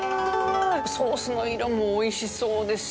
ソースの色もおいしそうですし。